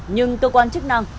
nhưng cơ quan chức năng